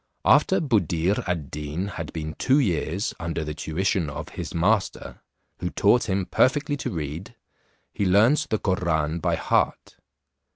After Buddir ad Deen had been two years under the tuition of his master, who taught him perfectly to read, he learnt the Koran by heart.